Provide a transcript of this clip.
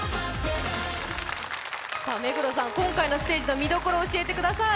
目黒さん、今回のステージの見どころを教えてください。